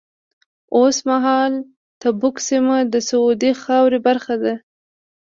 اوس مهال تبوک سیمه د سعودي خاورې برخه ده.